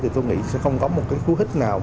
thì tôi nghĩ sẽ không có một cái khu hít nào